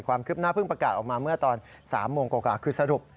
ความคืบหน้าเพิ่งประกาศออกมาเมื่อตอน๓โมงกว่าคือสรุป